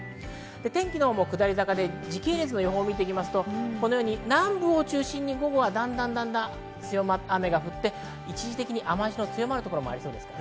天気も下り坂で時系列を見ると南部を中心に午後はだんだん雨が降って一時的に雨脚の強まるところもありそうです。